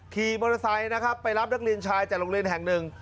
ขี่มอเตอร์ไซค์นะครับไปรับนักเรียนชายจากโรงเรียนแห่งหนึ่ง